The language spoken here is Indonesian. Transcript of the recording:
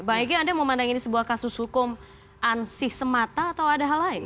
bang edi anda mau pandang ini sebuah kasus hukum ansih semata atau ada hal lain